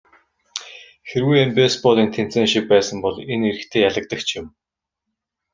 Хэрвээ энэ бейсболын тэмцээн шиг байсан бол энэ эрэгтэй ялагдагч юм.